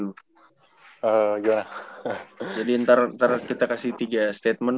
william siap ambil satu tempat